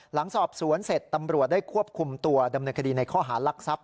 หลังสอบสวนเสร็จตำรวจได้ควบคุมตัวดำเนินคดีในข้อหารักทรัพย